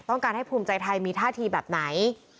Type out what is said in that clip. ต้องการให้ภูมิใจไทยมีท่าทีแบบไหน